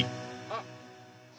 あっ！